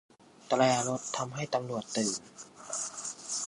แตรรถทำให้ตำรวจตื่น